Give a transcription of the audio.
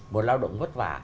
một lao động vất vả